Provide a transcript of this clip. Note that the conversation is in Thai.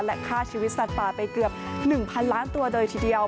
และฆ่าชีวิตสัตว์ป่าไปเกือบ๑๐๐ล้านตัวเลยทีเดียว